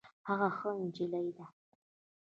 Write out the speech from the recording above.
هغه ښه جينۍ ده